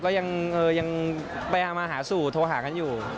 ก็ยังเออยังพยายามมาหาสู่โทรหากันอยู่